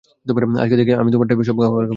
আজকে থেকে, আমি তোমার টাইপের সব খাবার খাবো।